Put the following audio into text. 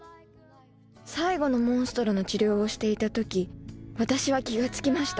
最後のモンストロの治療をしていた時私は気が付きました